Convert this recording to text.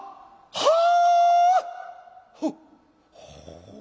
はあ！